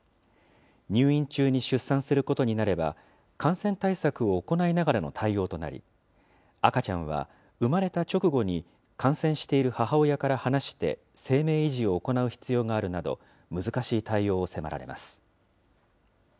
入院中に出産することになれば、感染対策を行いながらの対応となり、赤ちゃんは産まれた直後に感染している母親から離して生命維持を行う必要があるなど、難しい対応を迫られます。